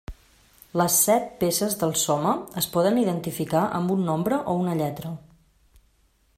Les set peces del Soma es poden identificar amb un nombre o una lletra.